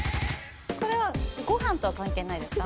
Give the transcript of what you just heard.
これはご飯とは関係ないですか？